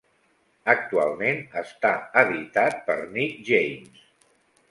Actualment està editat per Nick James.